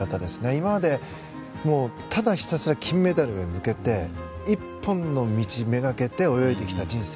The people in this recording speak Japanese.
今まで、ただひたすら金メダルへ向けて一本の道めがけて泳いできた人生。